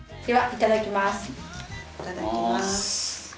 いただきます。